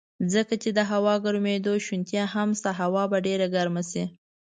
ځکه چې د هوا ګرمېدو شونتیا هم شته، هوا به ډېره ګرمه شي.